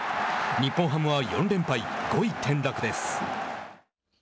日本ハムは４連敗、５位転落です。